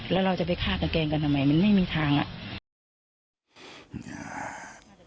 แล้วเราจะไปฆ่ากางเกงกันทำไมมันไม่มีทางอ่ะ